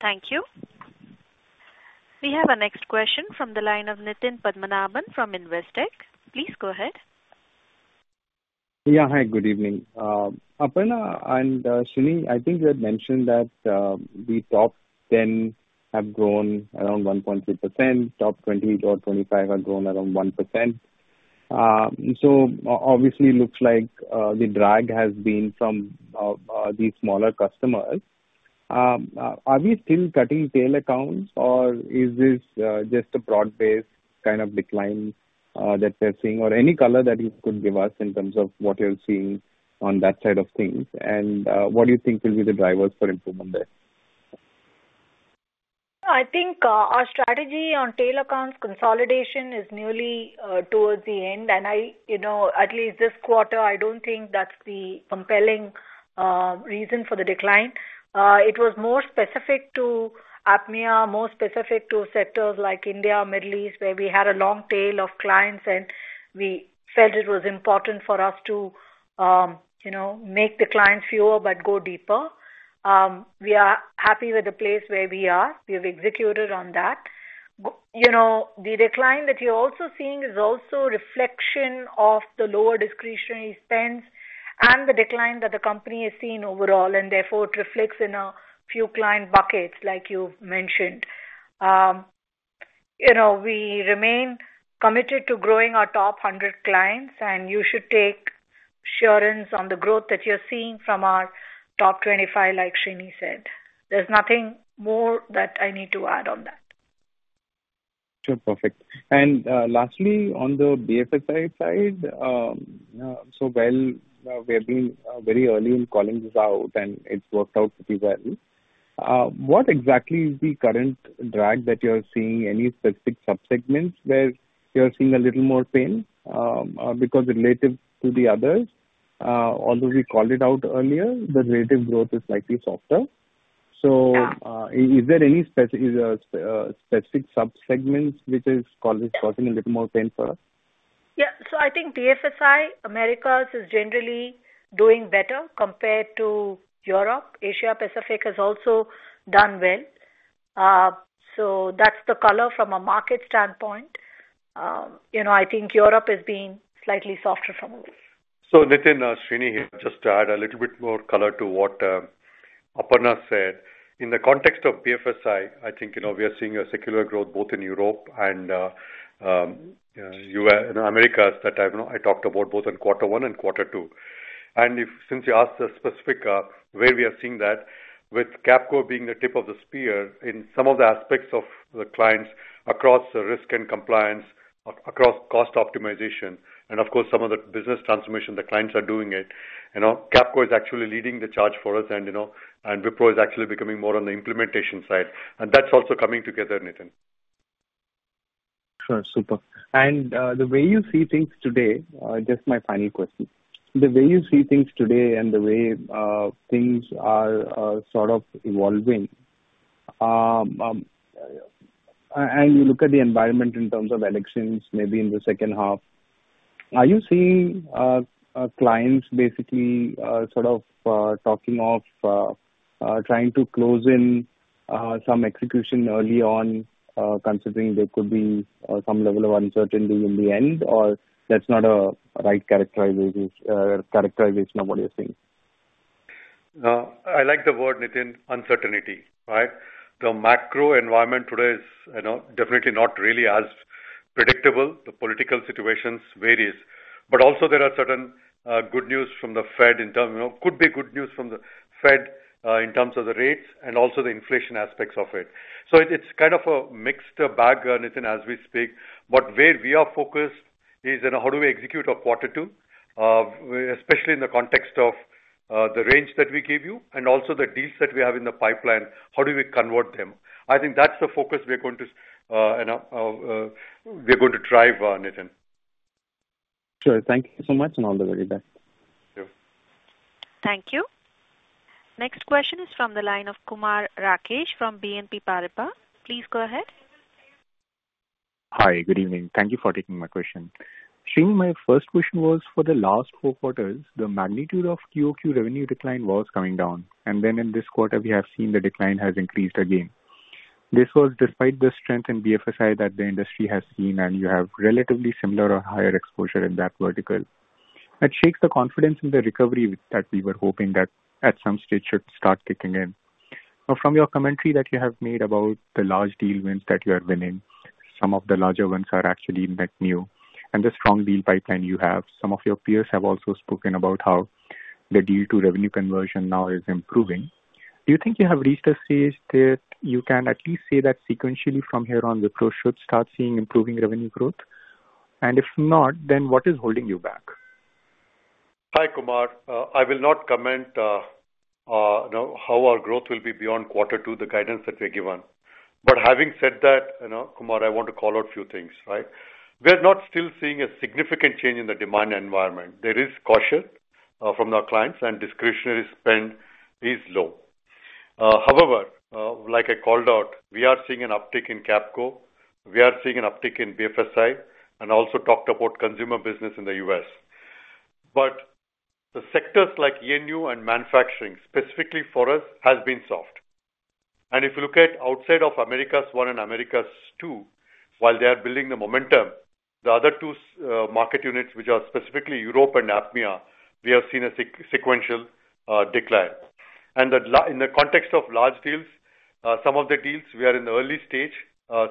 Thank you. We have our next question from the line of Nitin Padmanabhan from Investec. Please go ahead. Yeah. Hi, good evening. Aparna and Srini, I think you had mentioned that the top ten have grown around 1.2%, top 20-25 have grown around 1%. So obviously, looks like, the drag has been from the smaller customers. Are we still cutting tail accounts, or is this just a broad-based kind of decline that we're seeing? Or any color that you could give us in terms of what you're seeing on that side of things. And what do you think will be the drivers for improvement there? I think, our strategy on tail accounts consolidation is nearly towards the end. And I, you know, at least this quarter, I don't think that's the compelling reason for the decline. It was more specific to APMEA, more specific to sectors like India, Middle East, where we had a long tail of clients, and we felt it was important for us to, you know, make the clients fewer but go deeper. We are happy with the place where we are. We have executed on that. But, you know, the decline that you're also seeing is also a reflection of the lower discretionary spending and the decline that the company is seeing overall, and therefore it reflects in a few client buckets, like you've mentioned. You know, we remain committed to growing our top 100 clients, and you should take assurance on the growth that you're seeing from our top 25, like Srini said. There's nothing more that I need to add on that. Sure. Perfect. And lastly, on the BFSI side, so while we have been very early in calling this out, and it's worked out pretty well, what exactly is the current drag that you're seeing? Any specific subsegments where you're seeing a little more pain, because relative to the others, although we called it out earlier, the relative growth is slightly softer. Is there any specific subsegments which is causing a little more pain for us? Yeah. So I think BFSI, Americas is generally doing better compared to Europe. Asia Pacific has also done well. So that's the color from a market standpoint. You know, I think Europe is being slightly softer from us. Niten, Srini here, just to add a little bit more color to what Aparna said. In the context of BFSI, I think, you know, we are seeing a secular growth both in Europe and U.S., you know, Americas, that I talked about both Quarter 1 and Quarter 2. And since you asked a specific where we are seeing that, with Capco being the tip of the spear in some of the aspects of the clients across the risk and compliance, across cost optimization, and of course some of the business transformation, the clients are doing it. You know, Capco is actually leading the charge for us and, you know, and Wipro is actually becoming more on the implementation side, and that's also coming together, Nitin. Sure. Super. And the way you see things today, just my final question. The way you see things today and the way things are sort of evolving, and you look at the environment in terms of elections, maybe in the second half, are you seeing clients basically sort of talking of trying to close in some execution early on, considering there could be some level of uncertainty in the end, or that's not a right characterization of what you're seeing? I like the word, Nitin, uncertainty, right? The macro environment today is, you know, definitely not really as predictable. The political situations varies. But also there are certain good news from the Fed. You know, could be good news from the Fed, in terms of the rates and also the inflation aspects of it. So it's kind of a mixed bag, Nitin, as we speak. But where we are focused is in how do we execute our Quarter 2, especially in the context of the range that we gave you and also the deals that we have in the pipeline, how do we convert them? I think that's the focus we are going to, you know, we're going to drive on, Nitin. Sure. Thank you so much, and all the very best. Sure. Thank you. Next question is from the line of Kumar Rakesh from BNP Paribas. Please go ahead. Hi, good evening. Thank you for taking my question. Srini, my first question was: for the last four quarters, the magnitude of QOQ revenue decline was coming down, and then in this quarter, we have seen the decline has increased again. This was despite the strength in BFSI that the industry has seen, and you have relatively similar or higher exposure in that vertical. That shakes the confidence in the recovery that we were hoping that at some stage should start kicking in. But from your commentary that you have made about the large deal wins that you are winning, some of the larger ones are actually net new, and the strong deal pipeline you have. Some of your peers have also spoken about how the deal to revenue conversion now is improving. Do you think you have reached a stage that you can at least say that sequentially from here on, Wipro should start seeing improving revenue growth? And if not, then what is holding you back? Hi, Kumar. I will not comment, you know, how our growth will be beyond Quarter 2, the guidance that we've given. But having said that, you know, Kumar, I want to call out a few things, right? We're not still seeing a significant change in the demand environment. There is caution from our clients, and discretionary spend is low. However, like I called out, we are seeing an uptick in Capco. We are seeing an uptick in BFSI, and also talked about consumer business in the U.S. But the sectors like E&U and manufacturing, specifically for us, has been soft. And if you look at outside of Americas 1 and Americas 2, while they are building the momentum, the other two market units, which are specifically Europe and APMEA, we have seen a sequential decline. And in the context of large deals, some of the deals we are in the early stage,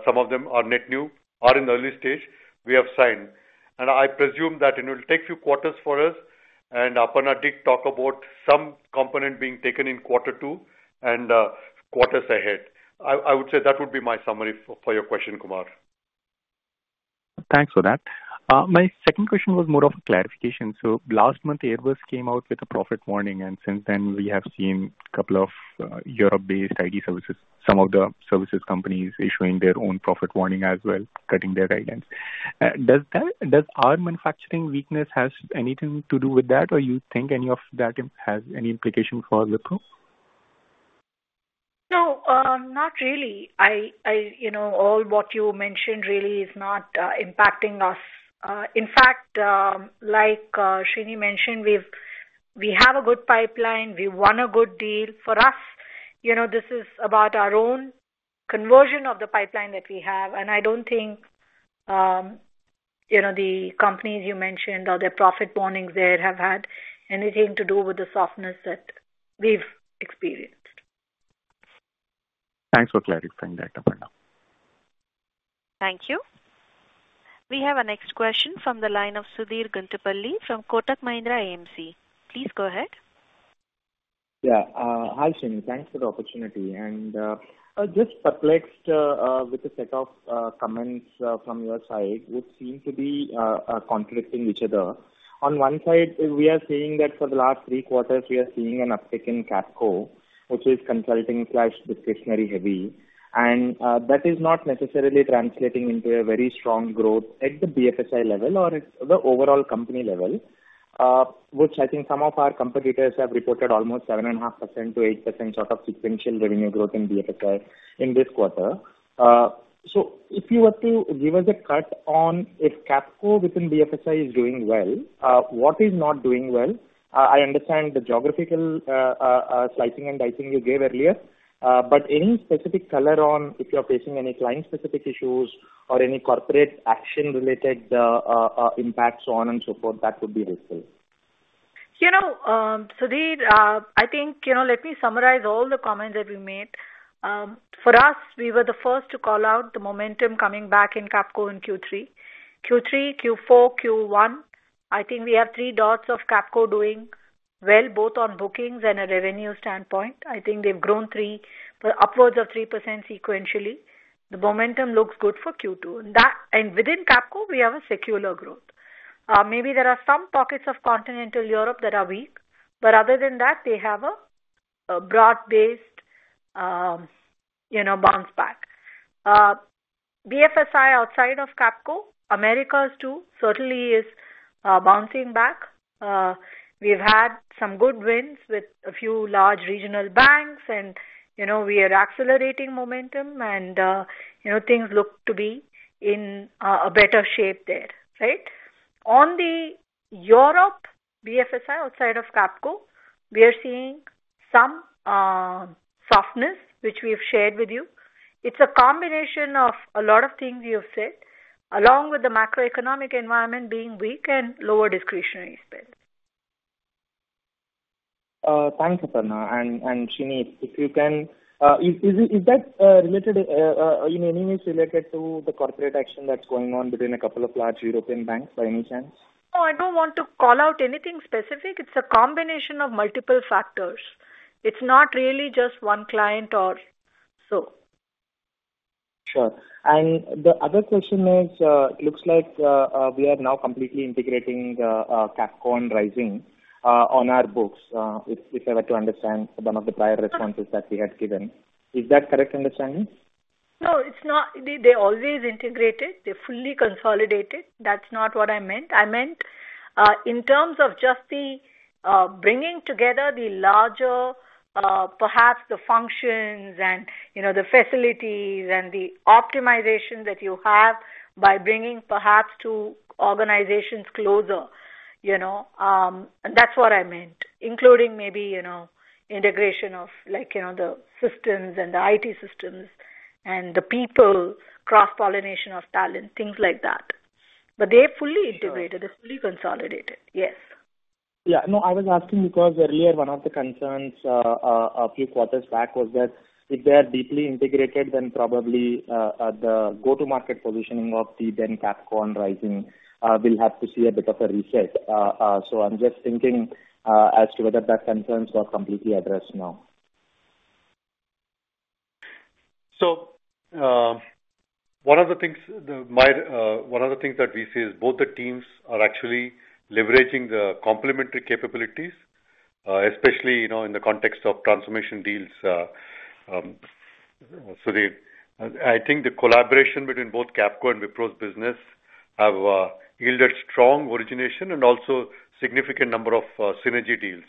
some of them are net new, are in the early stage, we have signed. And I presume that it will take a few quarters for us, and Aparna did talk about some component being taken in Quarter 2 and, quarters ahead. I would say that would be my summary for your question, Kumar. Thanks for that. My second question was more of a clarification. So last month, Airbus came out with a profit warning, and since then we have seen a couple of Europe-based IT services, some of the services companies issuing their own profit warning as well, cutting their guidance. Does our manufacturing weakness has anything to do with that, or you think any of that has any implication for Wipro? No, not really. You know, all what you mentioned really is not impacting us. In fact, like, Srini mentioned, we have a good pipeline. We won a good deal. For us, you know, this is about our own conversion of the pipeline that we have, and I don't think you know, the companies you mentioned or their profit warnings there have had anything to do with the softness that we've experienced? Thanks for clarifying that, Aparna. Thank you. We have our next question from the line of Sudheer Guntupalli from Kotak Mahindra AMC. Please go ahead. Yeah. Hi, Srini. Thanks for the opportunity. Just perplexed with a set of comments from your side, which seem to be contradicting each other. On one side, we are saying that for the last three quarters, we are seeing an uptick in Capco, which is consulting/discretionary heavy, and that is not necessarily translating into a very strong growth at the BFSI level or at the overall company level, which I think some of our competitors have reported almost 7.5%-8% sort of sequential revenue growth in BFSI in this quarter. So if you were to give us a cut on if Capco within BFSI is doing well, what is not doing well? I understand the geographical slicing and dicing you gave earlier, but any specific color on if you're facing any client-specific issues or any corporate action related impacts, so on and so forth, that would be useful. You know, Sudheer, I think, you know, let me summarize all the comments that we made. For us, we were the first to call out the momentum coming back in Capco in Q3. Q3, Q4, Q1, I think we have three dots of Capco doing well, both on bookings and a revenue standpoint. I think they've grown 3- upwards of 3% sequentially. The momentum looks good for Q2. And within Capco, we have a secular growth. Maybe there are some pockets of continental Europe that are weak, but other than that, they have a broad-based, you know, bounce back. BFSI, outside of Capco, Americas 2, certainly is bouncing back. We've had some good wins with a few large regional banks and, you know, we are accelerating momentum and, you know, things look to be in a better shape there, right? On the Europe BFSI, outside of Capco, we are seeing some softness, which we have shared with you. It's a combination of a lot of things you have said, along with the macroeconomic environment being weak and lower discretionary spend. Thanks, Aparna. Srini, if you can, is that in any way related to the corporate action that's going on between a couple of large European banks, by any chance? No, I don't want to call out anything specific. It's a combination of multiple factors. It's not really just one client or so. Sure. The other question is, it looks like we are now completely integrating Capco and Rizing on our books, if I were to understand one of the prior responses that we had given. Is that correct understanding? No, it's not. They, they always integrated. They fully consolidated. That's not what I meant. I meant, in terms of just the, bringing together the larger, perhaps the functions and, you know, the facilities and the optimization that you have by bringing perhaps two organizations closer, you know, and that's what I meant, including maybe, you know, integration of, like, you know, the systems and the IT systems and the people, cross-pollination of talent, things like that. But they're fully integrated. They're fully consolidated. Yes. Yeah. No, I was asking because earlier, one of the concerns, a few quarters back was that if they are deeply integrated, then probably, the go-to-market positioning of the then Capco and Rizing, will have to see a bit of a reset. So I'm just thinking, as to whether that concerns are completely addressed now. One of the things that we see is both the teams are actually leveraging the complementary capabilities, especially, you know, in the context of transformation deals, Sudheer. I think the collaboration between both Capco and Wipro's business have yielded strong origination and also significant number of synergy deals.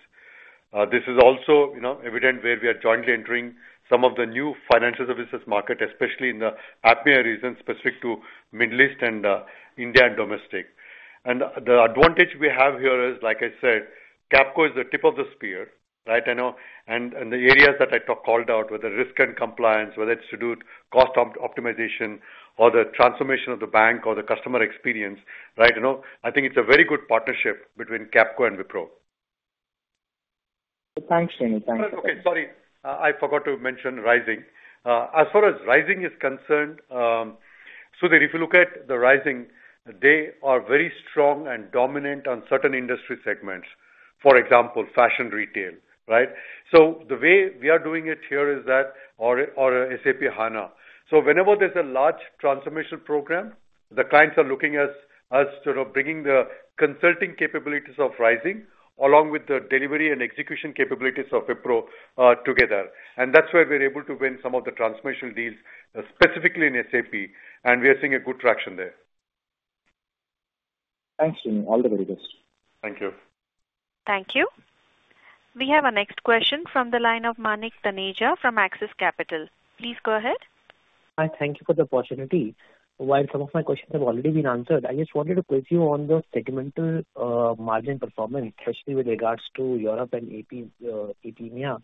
This is also, you know, evident where we are jointly entering some of the new financial services market, especially in the APMEA region, specific to Middle East and India and domestic. And the advantage we have here is, like I said, Capco is the tip of the spear, right? I know. And the areas that I called out, whether risk and compliance, whether it's to do with cost optimization or the transformation of the bank or the customer experience, right? You know, I think it's a very good partnership between Capco and Wipro. Thanks, Srini. Thanks. Okay, sorry, I forgot to mention Rizing. As far as Rizing is concerned, Sudheer, if you look at the Rizing, they are very strong and dominant on certain industry segments, for example, fashion retail, right? So the way we are doing it here is that or, or SAP HANA. So whenever there's a large transformation program, the clients are looking at us sort of bringing the consulting capabilities of Rizing, along with the delivery and execution capabilities of Wipro, together. And that's where we're able to win some of the transformation deals, specifically in SAP, and we are seeing a good traction there. Thanks, Srini. All the very best. Thank you. Thank you. We have our next question from the line of Manik Taneja from Axis Capital. Please go ahead. Hi, thank you for the opportunity. While some of my questions have already been answered, I just wanted to quiz you on the segmental margin performance, especially with regards to Europe and AP, APMEA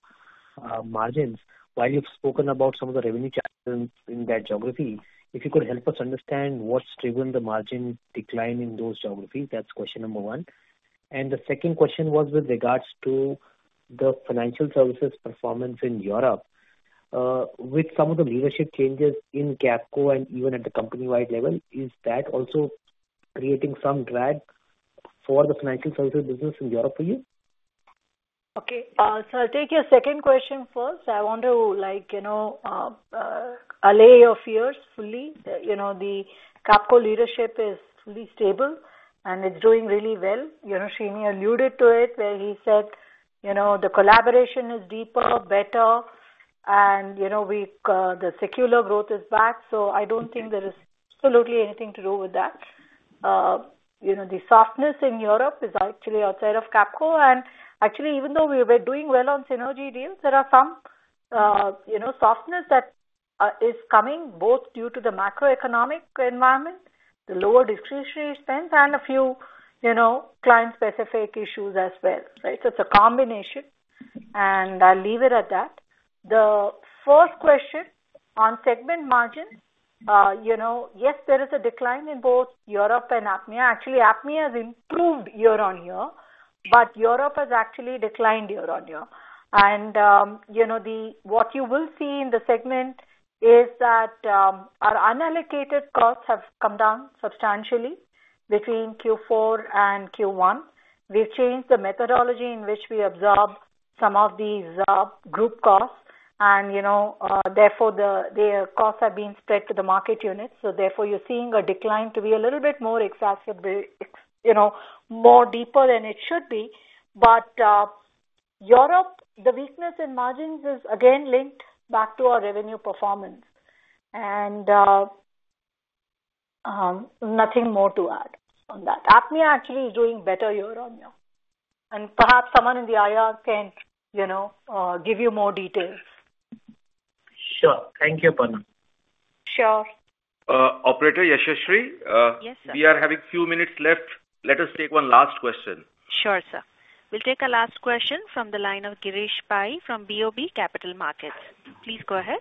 margins, while you've spoken about some of the revenue challenges in that geography, if you could help us understand what's driven the margin decline in those geographies? That's question number one. And the second question was with regards to the financial services performance in Europe. With some of the leadership changes in Capco and even at the company-wide level, is that also creating some drag for the financial services business in Europe for you? Okay. So I'll take your second question first. I want to, like, you know, allay your fears fully. You know, the Capco leadership is fully stable, and it's doing really well. You know, Srini alluded to it, where he said, you know, the collaboration is deeper, better, and, you know, we've, the secular growth is back. So I don't think there is absolutely anything to do with that. You know, the softness in Europe is actually outside of Capco, and actually, even though we were doing well on synergy deals, there are some, you know, softness that, is coming, both due to the macroeconomic environment, the lower discretionary spend, and a few, you know, client-specific issues as well, right? So it's a combination, and I'll leave it at that. The first question on segment margins, you know, yes, there is a decline in both Europe and APMEA. Actually, APMEA has improved year-on-year, but Europe has actually declined year-on-year. And, you know, what you will see in the segment is that, our unallocated costs have come down substantially between Q4 and Q1. We've changed the methodology in which we absorb some of these, group costs and, you know, therefore, the costs are being spread to the market units. So therefore, you're seeing a decline to be a little bit more excessive, you know, more deeper than it should be. But, Europe, the weakness in margins is again linked back to our revenue performance. And, nothing more to add on that. APMEA actually is doing better year-on-year, and perhaps someone in the IR can, you know, give you more details. Sure. Thank you, Aparna. Sure. Operator, Yashaswi? Yes, sir. We are having few minutes left. Let us take one last question. Sure, sir. We'll take a last question from the line of Girish Pai from BOB Capital Markets. Please go ahead.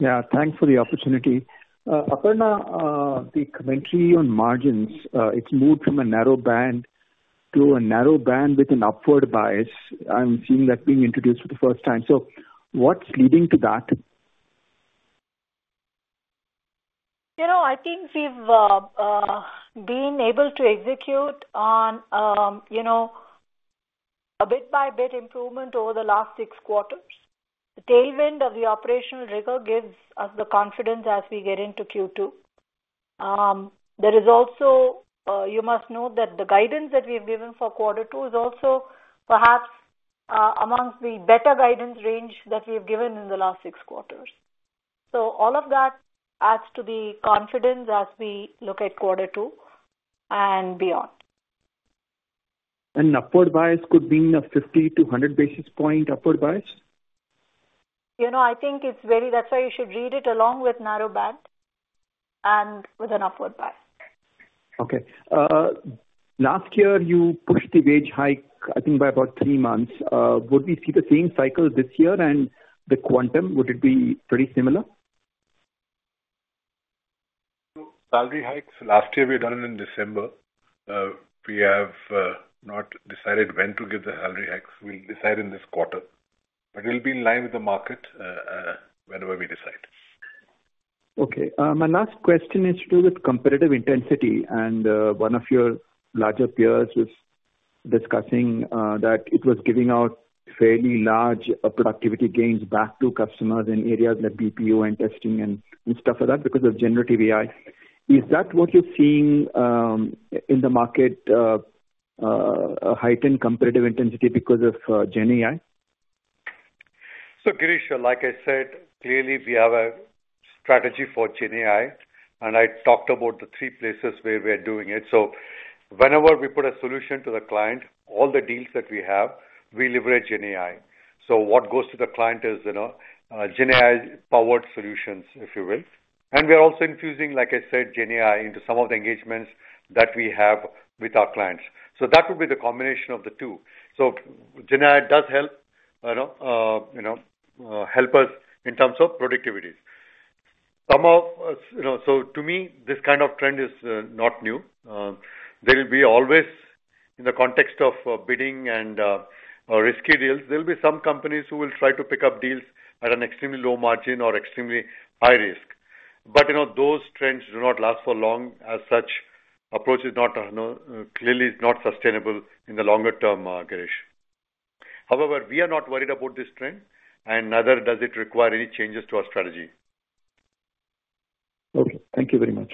Yeah, thanks for the opportunity. Aparna, the commentary on margins, it's moved from a narrow band to a narrow band with an upward bias. I'm seeing that being introduced for the first time. So what's leading to that? You know, I think we've been able to execute on, you know, a bit-by-bit improvement over the last six quarters. The tailwind of the operational rigor gives us the confidence as we get into Q2. There is also you must note that the guidance that we have given for Quarter 2 is also perhaps amongst the better guidance range that we've given in the last six quarters. So all of that adds to the confidence as we look at Quarter 2 and beyond. An upward bias could mean a 50 basis points-100 basis points upward bias? You know, I think it's very. That's why you should read it along with narrow band and with an upward bias. Okay. Last year, you pushed the wage hike, I think, by about three months. Would we see the same cycle this year, and the quantum, would it be pretty similar? Salary hikes, last year we had done it in December. We have not decided when to give the salary hikes. We'll decide in this quarter, but we'll be in line with the market, whenever we decide. Okay. My last question is to do with competitive intensity, and one of your larger peers was discussing that it was giving out fairly large productivity gains back to customers in areas like BPO and testing and stuff like that because of generative AI. Is that what you're seeing in the market, a heightened competitive intensity because of GenAI? So, Girish, like I said, clearly we have a strategy for GenAI, and I talked about the three places where we're doing it. So whenever we put a solution to the client, all the deals that we have, we leverage GenAI. So what goes to the client is, you know, GenAI-powered solutions, if you will. And we are also infusing, like I said, GenAI into some of the engagements that we have with our clients. So that would be the combination of the two. So GenAI does help, you know, you know, help us in terms of productivities. Some of, you know. So to me, this kind of trend is not new. There will always be, in the context of bidding and risky deals, some companies who will try to pick up deals at an extremely low margin or extremely high risk. But, you know, those trends do not last for long. As such, approach is not, you know, clearly is not sustainable in the longer term, Girish. However, we are not worried about this trend, and neither does it require any changes to our strategy. Okay. Thank you very much.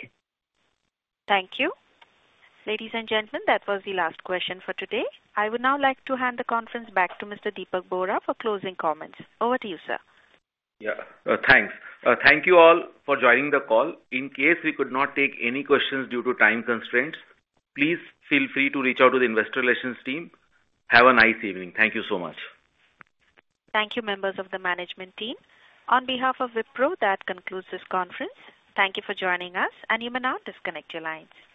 Thank you. Ladies and gentlemen, that was the last question for today. I would now like to hand the conference back to Mr. Dipak Bohra for closing comments. Over to you, sir. Yeah. Thanks. Thank you all for joining the call. In case we could not take any questions due to time constraints, please feel free to reach out to the investor relations team. Have a nice evening. Thank you so much. Thank you, members of the management team. On behalf of Wipro, that concludes this conference. Thank you for joining us, and you may now disconnect your lines.